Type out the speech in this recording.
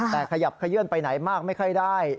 แต่ขยับขยื่นไปไหนมากไม่ค่อยได้